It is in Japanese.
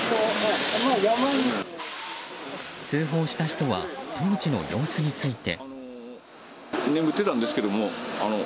通報した人は当時の様子について。